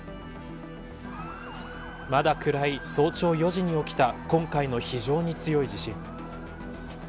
まだ暗い、早朝４時に起きた今回の非常に強い地震。